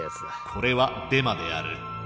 これはデマである。